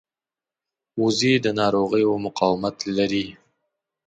وزې د ناروغیو مقاومت لري